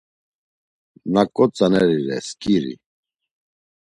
Naǩo tzaneri re skiri?